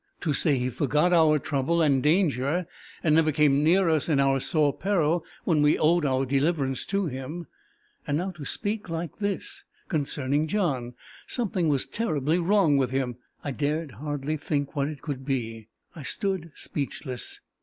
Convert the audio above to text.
To say he forgot our trouble and danger, and never came near us in our sore peril, when we owed our deliverance to him! and now to speak like this concerning John! Something was terribly wrong with him! I dared hardly think what it could be. I stood speechless.